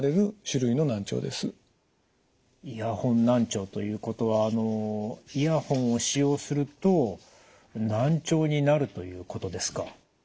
難聴ということはイヤホンを使用すると難聴になるということですか？